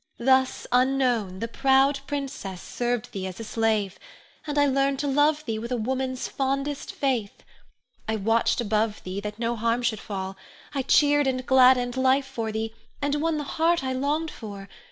Thus, unknown, the proud princess served thee as a slave, and learned to love thee with a woman's fondest faith. I watched above thee that no harm should fall; I cheered and gladdened life for thee, and won the heart I longed for.